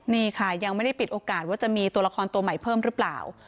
นี่ค่ะยังไม่ได้ปิดโอกาสว่าจะมีตัวละครตัวใหม่เพิ่มหรือเปล่า